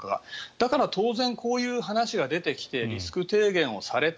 だから当然こういう話が出てきてリスク提言をされた。